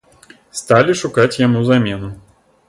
Сталі шукаць яму замену.